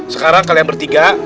sekarang kalian bertiga